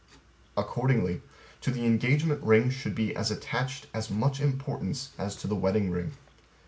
Accordingly To the engagement ring should be as attached as much importance as to the wedding ring.